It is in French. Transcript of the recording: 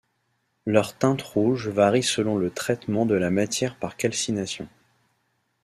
Leur teinte rouge varie selon le traitement de la matière par calcination.